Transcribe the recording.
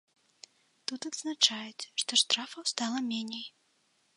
Тут адзначаюць, што штрафаў стала меней.